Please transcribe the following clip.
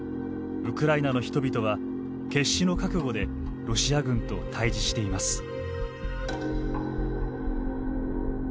ウクライナの人々は決死の覚悟でロシア軍と対峙しています。